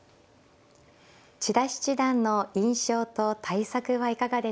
千田七段の印象と対策はいかがでしょうか。